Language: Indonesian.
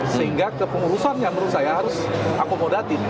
sehingga kepengurusan yang menurut saya harus akomodatif